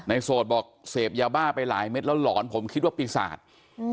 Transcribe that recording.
โสดบอกเสพยาบ้าไปหลายเม็ดแล้วหลอนผมคิดว่าปีศาจอืม